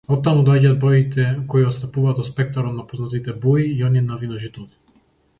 Оттаму доаѓаат боите кои отстапуваат од спектарот на познатите бои и оние на виножитото.